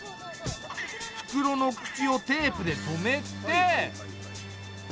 袋の口をテープで留めて。